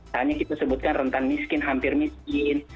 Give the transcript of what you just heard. hanya kita sebutkan rentan miskin hampir miskin